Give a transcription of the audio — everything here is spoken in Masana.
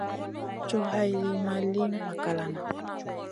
Coh hay lìyn ma li makalana.